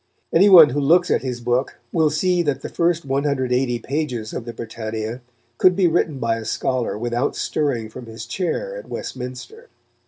Any one who looks at his book will see that the first 180 pages of the Britannia could be written by a scholar without stirring from his chair at Westminster.